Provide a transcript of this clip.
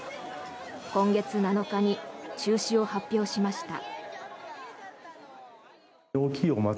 今月７日に中止を発表しました。